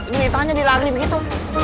gini tangannya di lagini begitu